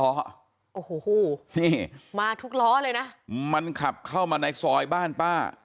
โอ้โหนี่มาทุกล้อเลยนะมันขับเข้ามาในซอยบ้านป้า